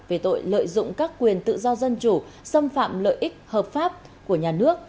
về tội lợi dụng các quyền tự do dân chủ xâm phạm lợi ích hợp pháp của nhà nước